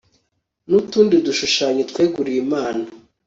n'utundi dushushanyo tweguriwe imana